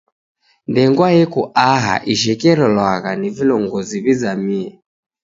Ndengwa eko aha ishekerelwagha ni vilongozi w'izamie.